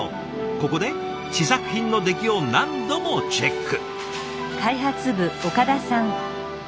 ここで試作品の出来を何度もチェック。